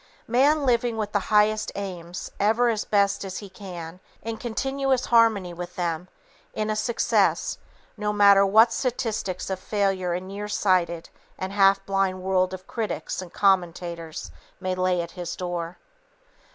Man living with the highest aims, ever as best he can, in continuous harmony with them, is a success, no matter what statistics of failure a near sighted and half blind world of critics and commentators may lay at his door.